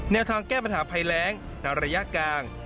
แนวทางแก้ปัญหาภัยแรงในระยะกลาง